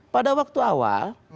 pada waktu awal